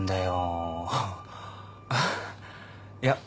いや。